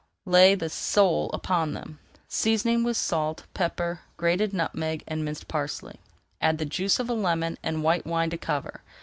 Lay the sale upon them, seasoning with salt, pepper, grated nutmeg, and minced parsley. Add the juice of a lemon and white wine to cover.